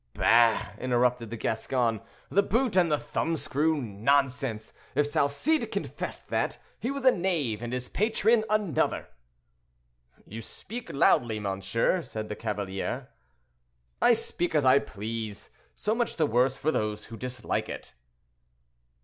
"Bah!" interrupted the Gascon, "the boot and the thumb screw, nonsense: if Salcede confessed that, he was a knave, and his patron another." "You speak loudly, monsieur," said the cavalier. "I speak as I please; so much the worse for those who dislike it."